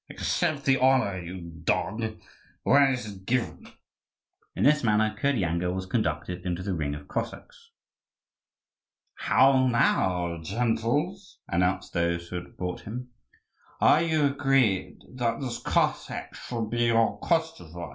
Accept the honour, you dog, when it is given!" In this manner Kirdyanga was conducted into the ring of Cossacks. "How now, gentles?" announced those who had brought him, "are you agreed that this Cossack shall be your Koschevoi?"